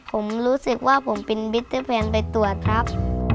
ผมรู้สึกว่าผมเป็นวิทยาลัยฟันไปตรวจครับ